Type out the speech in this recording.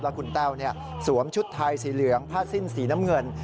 คุณแต้วสวมชุดไทยสีเหลืองผ้าสิ้นสีน้ำเงิน